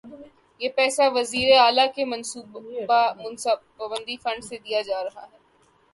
یہ پیسہ وزیر اعلی کے صوابدیدی فنڈ سے دیا جا رہا ہے۔